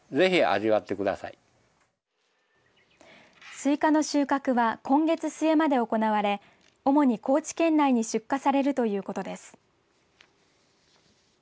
スイカの収穫は今月末まで行われ主に高知県内に出荷されるということです。